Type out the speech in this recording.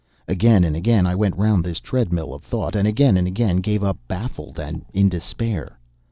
Again and again I went round this treadmill of thought; and again and again gave up baffled and in despair.